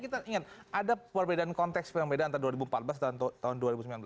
kita ingat ada perbedaan konteks perbedaan antara dua ribu empat belas dan tahun dua ribu sembilan belas